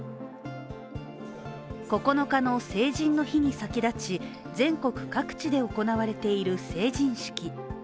９日の成人の日に先立ち、全国各地で行われている成人式。